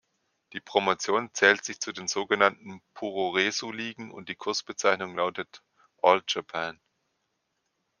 Die Promotion zählt sich zu den sogenannten Puroresu-Ligen und die Kurzbezeichnung lautet "All Japan".